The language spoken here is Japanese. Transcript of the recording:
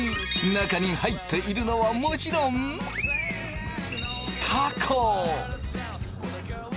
中に入っているのはもちろんたこ！